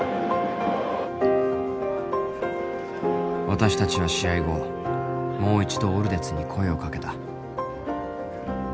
私たちは試合後もう一度オルデツに声をかけた。